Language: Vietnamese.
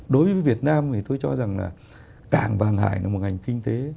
đối với việt nam thì tôi cho rằng là cảng hàng hải là một ngành kinh tế